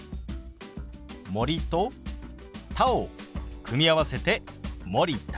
「森」と「田」を組み合わせて「森田」。